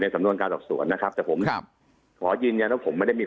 สำนวนการสอบสวนนะครับแต่ผมครับขอยืนยันว่าผมไม่ได้มี